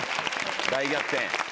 大逆転。